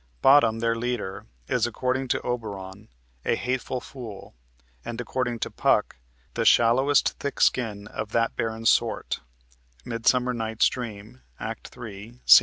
Bottom, their leader, is, according to Oberon, a "hateful fool," and according to Puck, the "shallowest thick skin of that barren sort" (Midsummer Night's Dream, Act 3, Scs.